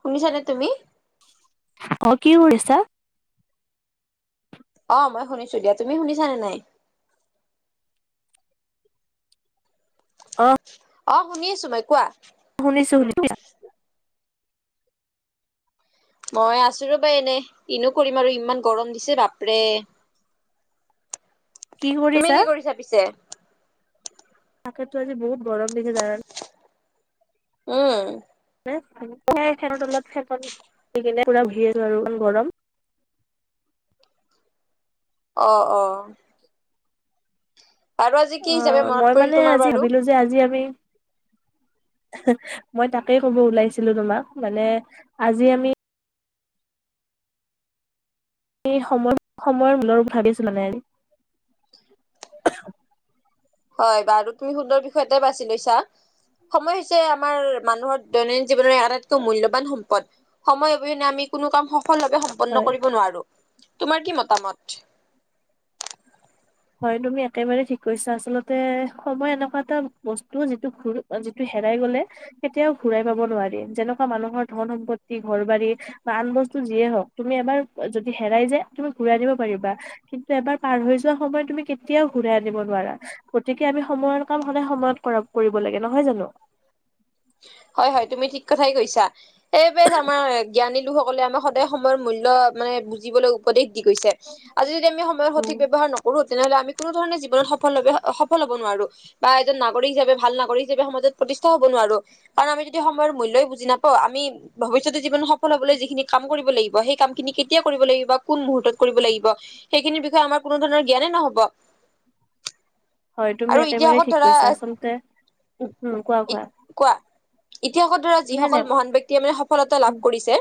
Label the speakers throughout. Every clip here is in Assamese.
Speaker 1: শুনিছানে তুমি।
Speaker 2: অ কি কৰিছা
Speaker 1: অ মই শুনিছো দিয়া তুমি শুনিছানে নাই।
Speaker 2: অ
Speaker 1: অ শুনি আছোঁ মই কোৱা।
Speaker 2: শুনিছোঁ শুনিছোঁ
Speaker 1: মই আছো ৰ'বা এনে কি নো কৰিম আৰু ইমান গৰম দিছে বাপৰে। তুমি কি কৰিছা পিছে।
Speaker 2: তাকেটো আজি বহুত গৰম দিছে যানানে।
Speaker 1: উম।
Speaker 2: [unintelligible] দি কি পুৰা ভিৰ আৰু গৰম [inaudible]
Speaker 1: আহ-আহ
Speaker 2: অ,
Speaker 1: হিচাপে মনত
Speaker 2: মই
Speaker 1: পৰিল
Speaker 2: মানে
Speaker 1: তোমাৰ
Speaker 2: আজি
Speaker 1: বাৰু?
Speaker 2: ভাবিলো যে আজি আমি মই তাকেই কব উলাইছিলো। তোমাক মানে আজি আমি সময়-সময়ৰ মূলৰ ভাবি আছিলো নাই আজি
Speaker 1: হয় বাৰু তুমি সুদৰ বিষয়তে বাছি লৈছা সময় হৈছে আমাৰ মানুহৰ দৈনন্দিন জীৱনৰ আটাইতকৈ মূল্যবান সম্পদ সময় অবিহনে আমি কোনো কাম সফল ভাৱে সম্পন্ন
Speaker 2: হয়
Speaker 1: কৰিব নোৱাৰো। তোমাৰ কি মতামত?
Speaker 2: হয় তুমি একেবাৰে ঠিক কৈছা, আচল্ততে সময় এনেকুৱা এটা বস্তু যিটো ঘ যিটো হেৰা। লে কেতিয়াও ঘুৰাই পাব নোৱাৰি যেনেকুৱা মানুহৰ ধন সম্পত্তি ঘৰ বাৰী বা আন বস্তু যিয়ে হওক তুমি এবাৰ যদি হেৰাই যায় তুমি ঘূৰাই নিব পাৰিবা কিন্তু এবাৰ পাৰ হৈ যোৱা সময়ত তুমি কেতিয়াও ঘূৰাই আনিব নোৱাৰা। গতিকে আমি সময়ৰ কাম সদায় সময়ত কৰা কৰিব লাগে নহয় জানো? [inaudible]
Speaker 1: হয়-হয় তুমি ঠিক কথাই কৈছা। সেইব আমাৰ জ্ঞানী লোকসকলে আমি সদায় সময়ৰ মূল্য মানে বুজিবলৈ উপদেশ গৈছে আজি যদি আমি সময়ৰ
Speaker 2: উম
Speaker 1: সঠিক ব্যৱহাৰ নকৰো। তেনেহ'লে আমি কোনো ধৰণে জীৱন সফল [unintelligible] সফল হ'ব নোৱাৰো বা এজন নাগৰিক হিচাপ ভালাগৰিক হিচাপে সমাজত প্ৰতিষ্ঠ হ'ব নোৱাৰো। কাৰণ আমি যদি সময়ৰ মূল্যয়ই বুজি নাপাওঁ। আমি ভৱিষ্যতে জীৱন সফল হ'বলৈ যিখিনি কাম কৰিব লাগিব সেই ক [unintelligible] মুহূুৰ্ত কৰিব লাগিব সেইখিনিৰ বিষয়ে আমাৰ কোনো ধৰণৰ জ্ঞানেই নহব
Speaker 2: হয়,
Speaker 1: আৰু
Speaker 2: তুমি একেবাৰেেই
Speaker 1: ইতিহাসত
Speaker 2: ঠিক
Speaker 1: ধৰা
Speaker 2: কৈছা আচলতে উম কোৱা কোৱা
Speaker 1: ইতিহাসৰ দাৰ
Speaker 2: নাই
Speaker 1: যিসকল
Speaker 2: নাই
Speaker 1: মহান ব্য্য়ক্তিয়ে মানে সফলতা লাভ কৰিছে।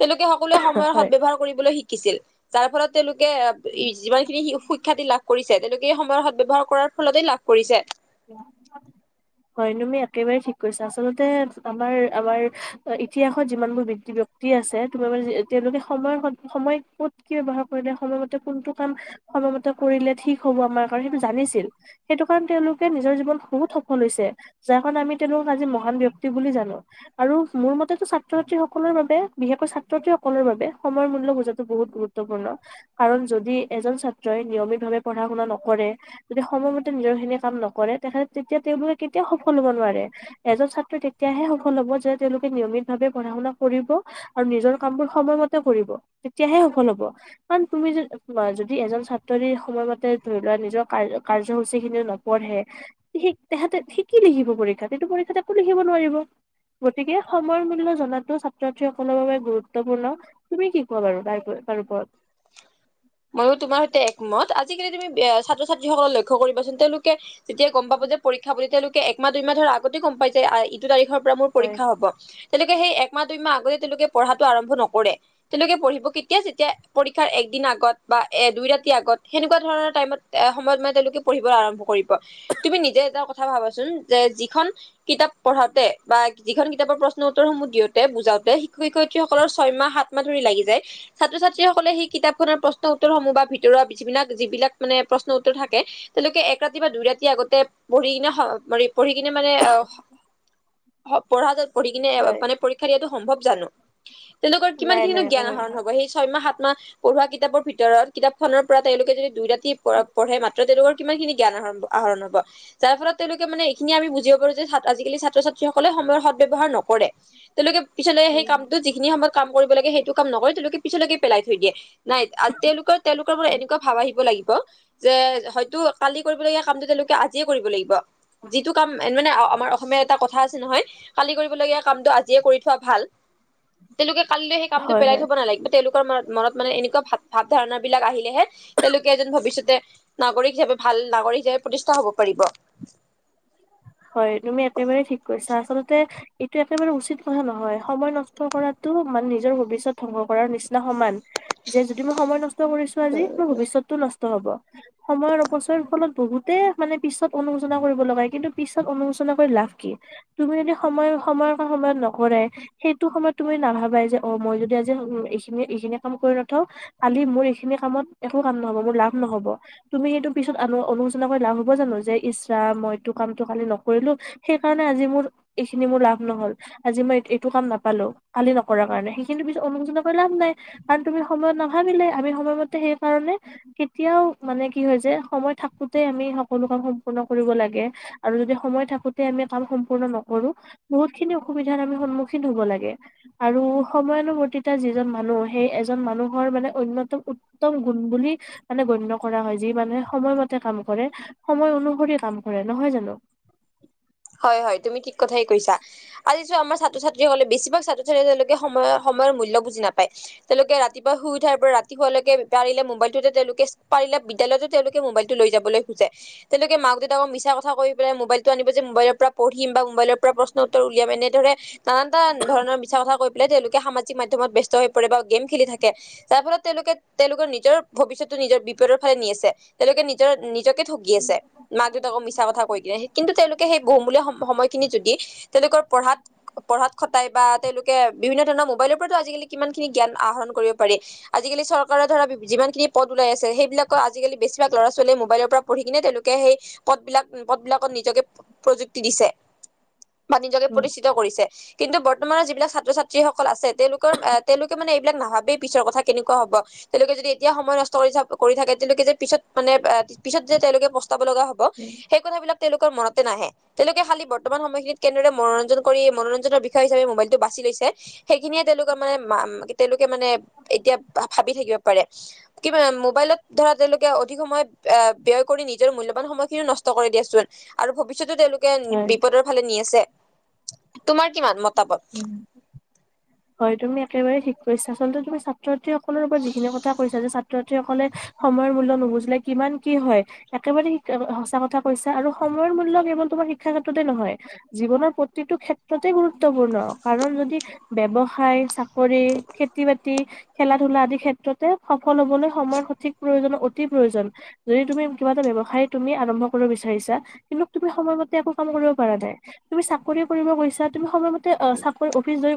Speaker 1: তেওঁলোকে সকলোৱে সময়ৰ
Speaker 2: হয়
Speaker 1: সদ ব্যয়ৱহাৰ কৰিবলৈ শিকিছিল যাৰ ফলত তেওঁলোকে
Speaker 2: উম
Speaker 1: যিমান খিনি সুখ্যাতি লাভ কৰিছে তেওঁলোকে এই সময়ৰ সাত ব্যয়ৱহাৰ কৰাৰ ফলতে লাভ কৰিছে।
Speaker 2: [inaudible] হয়নুমি একেবাৰেেই ঠিক কৰিছ। আচলতে আমাৰ আমাৰ ইতিহাসত যিমানবোৰ বি ব্যক্তি আছে, [unintelligible] তেওঁলোকে সময়ৰ সময় কত কি ব্য্য়ৱহাৰ কৰিলে সময়মতে কোনটো কাম সময়মতে কৰিলে ঠিক হ'ব আমাৰ কাৰণ সেইটো জানিছিল সেইটো কাৰণে তেওঁলোক নিজৰ জীৱন বহুত সফল হৈছে। যাৰ কাৰণে আমি তেওঁলোক আজি মহান ব্য্ক্তি বুলি জানো আৰু মোৰ মতেো ছাত্ৰ ছাত্ৰী সকলৰ বাবে বিশেষকৈ ছাত্ৰ ছাত্ৰীসকলৰ বাবে সময় মূল্য় বুজাাতটো বহুত গুৰুত্বপূৰ্ণ। কাৰণ যদি এজন ছাত্ৰই নিয়মিত ভাৱে পঢ়া শুনা নকৰে তেদি সময়মতে নিজৰখিনি কাম নকৰে। কৰে তেখেতে তেতিয়া তেওঁলোকে কেতিয়াও সফল হব নোৱাৰে এজন ছাত্ৰ তেতিয়াহে সফল হ'ব যে তেওঁলোকে নিয়মিত পঢ়া শুণা কৰিব আৰু নিজৰ কামবোৰ সময়ম কৰিব তেতিয়াহে সফল হব কাৰ তুমি যদি এজন ছাতৰি সময়মতে ধৰি লোৱা নিজৰ কাৰ কাৰ্যসূচী খিনি নপঢ়ে স তহাঁতে শিকি লিখিব পৰীক্ষাত কিন্তটো পৰীক্ষাত একো লিখিব নোৱাৰিব গতিকে সময় মূল্য় জাতো ছাত্ৰ ছাত্ৰী সকলৰ বাবে গুৰুত্বপূৰ্ণ তুমি কি কোৱা বাৰু তাৰ উপ কাৰপত
Speaker 1: ময়ো তোমাৰ সৈতে একমত আজিকালি তুমি ছাত্ৰ ছাত্ৰীসকললে লক্ষ্য কৰিবাচোন তেওঁলোকে তেতিয়া গম পাব যে পৰীক্ষা বুলি তেওঁলোকে একমাহ দুইমাহ ধৰ আগতেই গম পাই যে আহ ইটো তাৰিখৰ মোৰ
Speaker 2: হয়
Speaker 1: পৰীক্ষা হ'ব। তেওঁলোকে সেই একমাহ দুইমাহ আগতে তেওঁলোকে পঢ়াটো আৰম্ভ নকৰে তেওঁলোকে পঢ়িব কেতিয়া যেতিয়া পৰীক্ষাৰ একদিন আগত বা দুই ৰাতি আগত সেনেকুৱা ধৰণৰ টাইমত সময়ত মানে তেওঁলোকে পঢ়িব আৰম্ভ কৰিব তুমি নিজে এটা ভাবাচোন যে যিখন কিতাপ পঢ়াতে বা যিখন কিতাপৰ প্ৰশ্ন উত্তৰসমূহ দিওঁতে বুজা শিক্ষক শিক্ষয়িত্ৰীসকলৰ ছয় মাহ সাত মাহ ধৰি লাগি যায় ছাত্ৰ- ছাত্ৰী [unintelligible] সকলে সেই কিতাপ খনৰ প্ৰশ্ন উত্তৰসমূহ বা ভিতৰৰ যিবিলাক যিবিলাক মানে প্ৰশ্ন উত্তৰ থাকে তেওঁলোকে এক ৰাতি বা দুই ৰাতি আগতে পঢ়ি কিনে ম পঢ়ি কিনে মানে অ পঢ়া পঢ়ি কিনে
Speaker 2: হয়
Speaker 1: মানে পৰীক্ষা দিয়াটো সম্ভৱ জানো তেলোকৰ কিমান
Speaker 2: নাই নাই
Speaker 1: খিনিো জ্ঞান
Speaker 2: একেবাৰে
Speaker 1: আহৰণ
Speaker 2: নহয়।
Speaker 1: হব সেই মাহ সাত মাহ পঢ়োৱা কিতাপৰ ভিতৰত কিতাপ খনৰ পৰা তেওঁলোকে যদি দুই ৰাতি পঢ়ে মা তেওঁলোকৰ কিমান খিনি জ্ঞান আহৰ আহৰণ হব। যাৰ ফলত তেওঁলোকে মানে এইখিনি আমি বুজিব পাৰো যে আজিকালি ছাত্ৰ -ছাত্ৰী। যি সকলে সময়ৰ সদব্যৱহাৰ নকৰে তেওঁলোকে। পিছলৈ সেই কামটো যিখিনি সময়ত কাম কৰিব লাগে। সেইটো কাম নকৰি তেওঁলোকে পিছলৈকে পেলাই থৈ দিয়ে। নাই তেওঁলোকৰ তেওঁলোকৰ পৰা এনেকুৱা ভাৱ আহিব লাগিব। যে হয়তো কালি কৰিবলগীয়া। কৰিব লাগিব। যিটো কাম মানে আজিয়েই কৰিব লাগিব। আমাৰ অসমীয়াত এটা কথা আছে নহ লয় কালি কৰিবলৈ। লগীয়া কামটো আজিয়ে কৰি থোৱা ভাল। তেওঁলোকে কাইলৈ সেই কামটো
Speaker 2: হয়
Speaker 1: পেলাই
Speaker 2: হয়।
Speaker 1: থব নালাগিব। তেওঁলোকৰ মনত মানে এনেকুৱা ভাৱ ধাৰণা বিলাক আহিলেহে তেওঁলোকে এদিন ভৱিষ্যতৰ নাগৰিক হিচাপে। ভাল নাগৰিক হিচাপে প্ৰতিষ্ঠা হব পাৰিব।
Speaker 2: হয়, তুমি একেবাৰে ঠিক কৈছা। আচলতে এইটো একেবাৰে উচিত কথা নহয়। সময় নষ্ট কৰাতটো মানে নিজৰ ভৱিষ্যত ধ্বংস কৰাৰ নিচিনা সমান। যে যদি মই সময় নষ্ট কৰিছো আজি মোৰ ভৱিষ্যতটো নষ্ট। নষ্ট হব। সময়ৰ অপচয়ৰ ফলত বহুতে মানে পিছত অনুশোচনা কৰিব লগা হৈ। কিন্তু পিছত অনুশোচনা কৰি লাভ কি। তুমি যদি সময়ৰ কাম সময়ত নকৰা ই সেইটো সময়ত তুমি। নাভাবাই যে অ মই যদি আজি এইখিনি কাম কৰি নথওঁ কালি মোৰ এইখিনি কাম আকৌ কৰিব। নহব মোৰ লাভ নহব। তুমি এইটো পিছত অনুশোচনা কৰি লাভ হব জানো। যে ইচ ৰাম মইটো। কামটো কালি নকৰিলো সেইকাৰণে আজি মোৰ এইখিনি মোৰ লাভ নহল। আজি মই এইটো কাম নাপালো। কালি নকৰাৰ কাৰণে সেইখিনি পিছত অনুশোচনা কৰি লাভ নাই। কাৰণ তুমি সময়ত নাভাবিলা আমি সময়মতে সেই কাৰনে। কেতিয়াও মানে কি হয় যে সময় থাকোতে আমি সকলো কাম সম্পূৰ্ণ কৰিব লাগে। আৰু যদি সময় থাকোতে আমি কাম সম্পূৰ্ণ নকৰো বহুত খিনি অসুবিধাৰ আমি সন্মুখীন হব লাগে। আৰু সময়ানুবৰ্তিতা যিজন মানুহে সেই এজন মানুহৰ মানে অন্যতম উত্তম গুৰুত। বুলি মানে গণ্য কৰা হয়। যি মানুহে সময়মতে কাম কৰে সময় অনুসৰি কাম কৰে। নহয় জানো।
Speaker 1: হয়, হয় তুমি ঠিক কথাই কৈছা আজি। কিন্তু আমাৰ ছাত্ৰ- ছাত্ৰীসকলে বেছিভাগ ছাত্ৰ -ছাত্ৰীয়ে তেওঁলোকে সময় সময়ৰ মূল্য বুজি নাপায়। তেওঁলোকে ৰাতিপুৱা শুই উঠাৰ। তাৰ পৰা ৰাতি শুৱালৈকে পাৰিলে মোবাইল টো তেওঁলোকে পাৰিলে বিদ্যালয় তেওঁলোকে মোবাইলটো লৈ যাবলৈ খোজে। তেনেকে মাক -দেউতাকৰ মিছা কথা কৈ পেলাই মোবাইলটো আনিব যে মোবাইলৰ পৰা পঢ়িম বা। মোবাইলৰ পৰা প্ৰশ্ন উত্তৰ উলিয়াম। এনেধৰনে নানা এটা ধৰণৰ মিছা কথা কৈ পেলাই তেওঁলোক সমাজি। মাধ্যমত ব্যস্ত হৈ পৰে। বা গেম খেলি থাকে যাৰ ফলত তেওঁলোকে তেওঁলোকৰ নিজৰ ভৱিষ্যতটো নিজৰ বিপদৰ। নি আছে। তেওঁলোকে নিজক নিজকে ঠগি আছে। মাক -দেউতাকক মিছা কথা কৈ কিনে কিন্তু তেওঁলোকে। বহুমূলীয়া সময় খিনি যদি তেওঁলোকে পঢ়াত খতাই বা বিভিন্ন ধৰণে। মোবাইল ৰ পৰা টো আজিকালি কিমান খিনি জ্ঞান আহৰণ কৰিব পাৰি। আজিকালি চৰকাৰৰ দাৰা যিমানখিনি পদ ওলাই আছে। সেইবিলাক আজিকালি বেছিভাগ ল'ৰা- ছোৱালীয়ে মোবাইলৰ পৰা পঢ়ি কিনে তেওঁলোকে সেই পদ বিলাক ত নিজকে। প্ৰযুক্তি দিছে বাণিজ্যকে
Speaker 2: উম
Speaker 1: প্ৰতিষ্ঠিত কৰিছে। কিন্তু বৰ্তমানৰ যিবিলাক ছাত্ৰ -ছাত্ৰীসকল আছে তেওঁলোকৰ আহ তেওঁলোকে মানে এইবিলাক নাভাবেই। পিছৰ কথা কেনেকুৱা হব। তেওঁলোকে যদি এতিয়া সময় নষ্ট কৰি থাকে। তেওঁলোকে যে পিছত মানে পিছত যে তেওঁলোকে। পাব লগা হ'ব
Speaker 2: উম
Speaker 1: সেই কথাবিলাক তেওঁলোকৰ মনত। নাহে তেওঁলোকে খালি বৰ্তমান সময়খিনিত কেনেদৰে মনোৰঞ্জন কৰি মনোৰঞ্জনৰ বিষয় হিচাপে মোবাইলটো বাছি লৈছে। সেইখিনিয়ে তেওঁলোকৰ মানে তেওঁলোকে মানে এতিয়া। ভাবি থাকিব পাৰে। কিবা মোবাইলত ধৰা তেওঁলোকে অধিক সময় আহ ব্যয় কৰি নিজৰ মূল্যবান। সময় খিনিও নষ্ট কৰি দিয়াচোন আৰু ভৱিষ্যতো তেওঁলোকে
Speaker 2: হয়।
Speaker 1: বিপদৰ ফালে নি আছে। তোমাৰ কিমান মতামত।
Speaker 2: একেবাৰেঠিক কৈছা। আচলতে তুমি ছাত্ৰ- ছাত্ৰী সকলৰ ওপৰত যিখিনি কথা কৈছা যে ছাত্ৰ। ছাত্ৰী সকলৰ সময়ৰ মূল্য নুবুজিলে কিমান কি হয় একেবাৰে সঁচা কথা কৈছা। আৰু সময়ৰ। ছাত্ৰীৰ মূল্য কেৱল তোমাৰ শিক্ষা ক্ষেত্ৰতে নহয়। জীৱনৰ প্ৰতিটো ক্ষেত্ৰতে গুৰুত্ব গুৰুত্বপূৰ্ণ কাৰণ যদি ব্যৱসায় চাকৰি খেতি- বাতি খেলা ধূলা আদি খেত মুঠতে সফল হবলৈ সময়ৰ সঠিক প্ৰয়োজন। অতি প্ৰয়োজন যদি তুমি কিবা এটা ব্যৱসায় তুমি আৰম্ভ। [unintelligible] বিচাৰিছা কিন্তু তুমি সময়মতে একো কাম কৰিব পৰা নাই। তুমি চাকৰি কৰিব গৈছা তুমি। প্ৰথমতে চাকৰি অফিচ। [inaudible]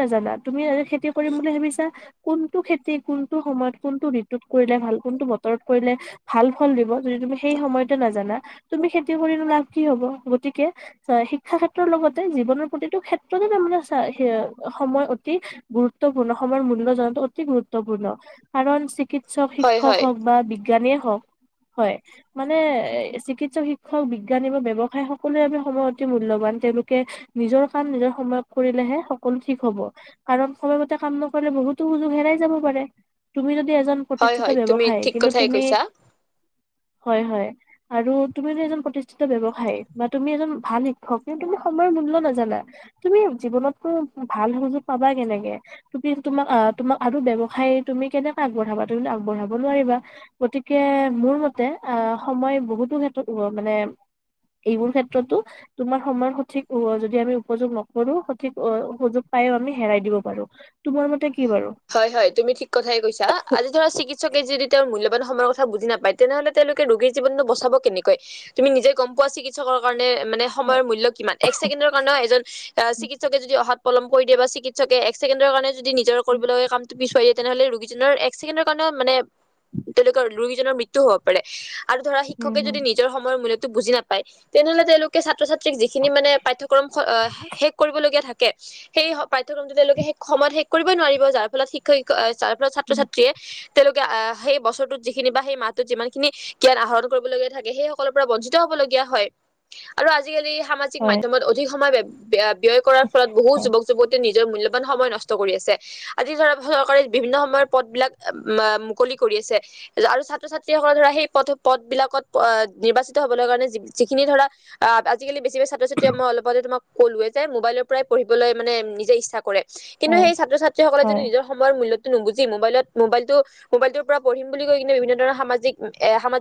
Speaker 2: নাজানা তুমি। অহ খেতি কৰিম বুলি ভাবিছা। কোনটো খেতি কোনটো সময়ত কোনটো ঋতুত কৰিলে ভাল কোনটো বতৰত কৰিলে ভাল ফল দিব যদি। সেই সময়তো নাজানা তুমি খেতি কৰিলো লাভ কি হব গতিকে শিক্ষা ক্ষেত্ৰৰ লগতে জীৱনৰ প্ৰতিটো ক্ষেত্ৰত। তাৰ মানে চ স সময় অতি গুৰুত্বপূৰ্ণ সময়ৰ মূল্য জটো অতি গুৰুত্বপূৰ্ণ। কাৰণ চিকিৎসক
Speaker 1: হয়
Speaker 2: শিক্ষক
Speaker 1: হয়
Speaker 2: হওক বা বিজ্ঞানীয়ে হওক হয় মানে চিকিৎসক শিক্ষক বিজ্ঞানী ব্যৱসায় সকলোৰে বাবে সময় অতি মূল্যবান তেওঁলোকে নিজৰ কাম নিজৰ সময় কৰিলেহে সকলো ঠিক হব
Speaker 1: হয়
Speaker 2: প্ৰতিষ্ঠিত
Speaker 1: হয় তুমি
Speaker 2: ব্যৱসায়ী
Speaker 1: ঠিক
Speaker 2: কিন্তু
Speaker 1: কথাই
Speaker 2: তুমি
Speaker 1: কৈছা।
Speaker 2: হয় হয় তুমিতো এজন প্ৰতিষ্ঠিত ব্যয়ৱসায়ী বা তুমি এজন ভাল শিক্ষক কিন্তু তুমি সময়ৰ মূল্য নাজানা তুমি জীৱনততো ভাল সুযোগ পাবা কেনেকে তুমি তোমাক তোমাক আৰু ব্যৱসায় তুমি কেনে। আগবঢ়াবা তুমি টো আগবঢ়াব নোৱাৰিবা গতিকে মোৰ মতে অ' সময় বহুতো ক্ষেত্ৰ মানে। এইবোৰ ক্ষেত্ৰতো তোমাৰ সময়ৰ সঠিক যদি আমি উপযোগ নকৰো সঠিক সযোগ পায়ো আমি হেৰাই দিব পাৰো তোমাৰ মতে কি বাৰু
Speaker 1: হয় হয় তুমি ঠিক কথাই কৈছা আজি ধৰা চিকিৎসকে যদি তেওঁৰ মূল্য। সময়ৰ কথা বুজি নাপায় তেনেহলে তেওঁলোকে ৰোগীৰ জীৱনো বচাব কেনেকৈ তুমি নিজে গম পোৱা চিকিৎসকৰ কাৰণে। মানে
Speaker 2: হয়
Speaker 1: সময়ৰ মূল্য কিমান এক ছেকেণ্ডৰ কাৰণও এজন চিকিৎসকে যদি অহাত পলম কৰি দিয় বা চিকিৎসকে এক ছেণ্ডৰ কাৰণে যদি নিজৰ
Speaker 2: উম
Speaker 1: কৰিবলগ কামটো পিছুৱাই দিয়ে তেনেহলে ৰোগীজনৰ এক ছেকেণ্ডৰ কাৰণেও মানে তেওঁলোকৰ ৰোগীজনৰ মৃত্যু হব পাৰে। আৰু ধৰা
Speaker 2: উম
Speaker 1: শিক্ষকে
Speaker 2: উম
Speaker 1: যদি নিজৰয়ৰ মূল্যতটো বুজি নাপায় তেনেহলে তেওঁলোকে ছাত্ৰ ছাত্ৰ। যি খিনি মানে পাঠ্যক্ৰম শেষ কৰিবলগীয়া থাকে সেই পাঠ্যক্ৰমটো তেওঁলোকে শে সময়ত শেষ কৰিব নোৱাৰিব যাৰ ফলত শিক্ষ যাৰ ফলত ছাত্ৰ
Speaker 2: উম
Speaker 1: ছাত্ৰীয়ে। তেওঁলোকে আহ সেই বছৰটোত যিখিনি বা সেই মাহটোত যিমান খিনি জ্ঞান আহৰণ কৰিবলগীয়া থাকে সেই সকলৰ পৰা বঞ্চিত হ'ব। হয় আৰু আজি আজিকালি সামাজিক
Speaker 2: হয়
Speaker 1: মাধ্যমত অধিক সময় ব্যয় কৰাৰ ফলত বহু
Speaker 2: হয়
Speaker 1: যুৱক যুৱতীয়ে নি নি মূল্যবান সময় নষ্ট কৰি আছে। আদি ধৰক চৰকাৰে বিভিন্ন সময়ৰ পদ বিলাক মুকলি কৰি আছে আৰু ছাত্ৰ ছাত্ৰী ধ সেই পথ পথবলাকত অ নিৰ্বাচিত হবলৈ কাৰণে যিখিনি ধৰা আজিকালি। ছাত্ৰ ছাত্ৰীয়ে মই অপতে তোম ক'লোৱে যে মোবাইলৰ পৰাই পঢ়িবলৈ মানে নিজে ইচ্ছা কৰে কিন্তু
Speaker 2: হয়
Speaker 1: সেই ছাত্ৰ ছাত্ৰীসকলে যদি
Speaker 2: হয়
Speaker 1: নিজৰ সময়ৰ মূল্যতো নুবুজি মোবাইলত মোবাইলটোৰ পৰা পঢ়িম বুলি কিনে বিভিন্ন ধৰণৰ স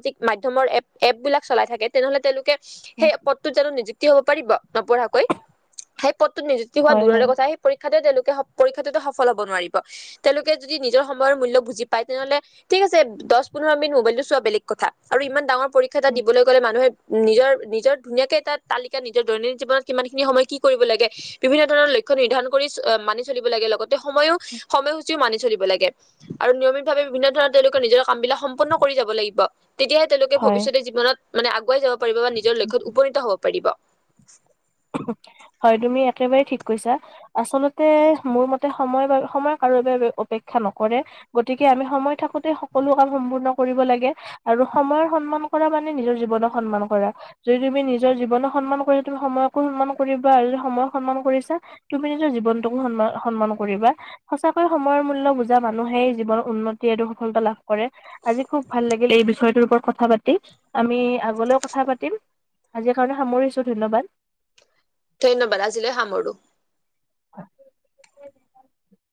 Speaker 1: স এপ বিলাক চলাই থাকে তেনেহলে তেওঁলোকে সেই পত জানো নিযুক্তি হব পাৰিব নপঢ়াকৈ সেই পদটোত নিযুক্তি হোৱা
Speaker 2: হয় হয়
Speaker 1: দূৰৰে
Speaker 2: হয়
Speaker 1: কথা সেই পৰীক্ষাটো তেওঁলোকে পৰীক্ষাটো সফল হব নোৱাৰিব তেওঁলোকে যদি নিজৰ সময়ৰ মূল্য বুজি পায় তেনেহলে ঠিক আছে দহ পোন্ধৰ মিনি মব কিন্ত চোৱা বেলেগ কথা আৰু ই ডাঙৰ পৰীক্ষা এটা দিবলৈ গ'লে মানুহে নিজৰ নিজৰ ধুনীয়াকে এটা তালিকা নিজৰ দৈনন্দিন জীৱনত কিমান খিনি সময় কি কৰিব লাগে বিভিন্ন ধৰণৰ লক্ষ্য নিৰ্ধাৰণ কৰি মানি চলিব লাগে লগতে সময়ো সময়সূচীও মানি। চলিব লাগে আৰু নিয়মিত ভাৱে বিভিন্ন ধৰণৰ তেওঁলোকৰ নিজৰ কাম বিলাক সম্পূৰ্ণ কৰি যাব লাগিব। তেতিয়াহে তেওঁলোকে
Speaker 2: হয়,
Speaker 1: ভৱিষ্যতেৰ জীৱনত মানে আগুৱাই যাব পাৰিব বা নিজৰ লক্ষ্যত উপনীত হব পাৰিব।
Speaker 2: হয় তুমি একেবাৰেই ঠিক কৈছা আচলতে মোৰ মতে সময় ব সময় কাৰ। অপেক্ষা নকৰে গতিকে আমি সময় থাকোতে সকলো ক সম্পূৰ্ণ কৰিব লাগে আৰু সময়ৰ সন্মান কৰা মানে নিজৰ জীৱনক সন্মান কৰা যদি তুমি নিজৰ জীৱনক সন্মান কৰি তুমি সময়ক সন্মান কৰিবা আৰু যদি সময় সন্মান কৰিছা তুমি নিজৰ জীৱনটোকো সন্মান সন্মান কৰিবা সঁচা কৈ সময়ৰ মূল্য বুজা মানুহেই জীৱনৰ উন্নতি আৰু সফলতা লাভ কৰে কৰে আজি খুব ভাল লাগিল এই বিষয়টোৰ ওপৰত কথা কথা পাতি আমি আগলৈও কথা পাতিম আজিৰ কাৰণে সামৰিছো ধন্যবাদ
Speaker 1: ধন্যবাদ আজিলৈ সামোৰো
Speaker 2: অ'